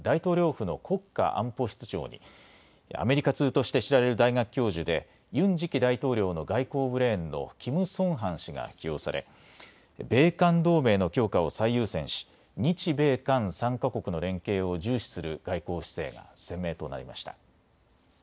府の国家安保室長にアメリカ通として知られる大学教授でユン次期大統領の外交ブレーンのキム・ソンハン氏が起用され米韓同盟の強化を最優先し日米韓３か国の連携を重視する外交姿勢が鮮明となりました。